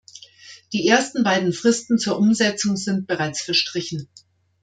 Die ersten beiden Fristen zur Umsetzung sind bereits verstrichen.